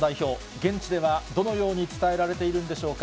現地ではどのように伝えられているんでしょうか。